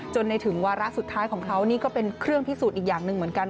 ในถึงวาระสุดท้ายของเขานี่ก็เป็นเครื่องพิสูจน์อีกอย่างหนึ่งเหมือนกัน